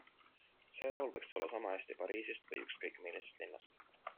See laul võiks olla samahästi Pariisist või ükskõik, millisest linnast.